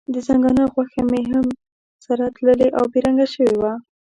د ځنګانه غوښه مې هم سره تللې او بې رنګه شوې وه.